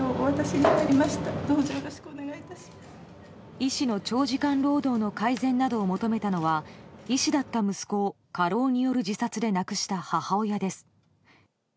医師の長時間労働の改善などを求めたのは医師だった息子を過労による自殺で亡くした母親です。